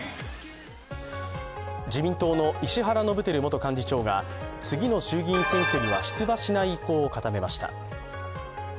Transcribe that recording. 自民党の石原伸晃元幹事長が次の衆議院選挙には出馬しない意向を固めました。